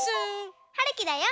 はるきだよ。